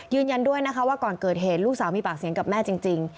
ยืนยันด้วยนะคะว่าก่อนเกิดเหตุลูกสาวมีปากเสียงกับแม่จริง